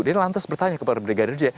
dia lantas bertanya kepada brigadir j